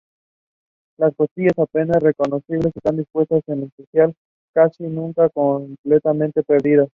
Las costillas apenas reconocibles están dispuestas en espiral y casi completamente perdidas.